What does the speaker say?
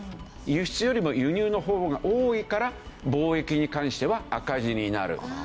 輸出よりも輸入の方が多いから貿易に関しては赤字になる。